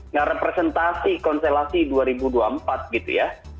merepresentasi konstelasi dua ribu dua puluh empat gitu ya